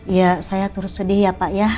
ya saya terus sedih ya pak ya